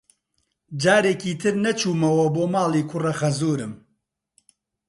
جارێکی تر نەچوومەوە بۆ ماڵی کوڕەخەزوورم.